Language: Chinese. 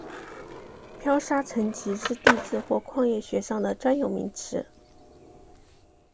漂砂沉积是地质或矿业学上的专有名词。